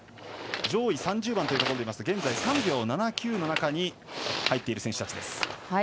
上位３０番といいますと現在３秒７９の間に入っている選手たちです。